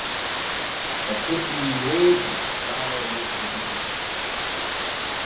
O heɓi reedu ɓaawo lebbi ɗiɗi.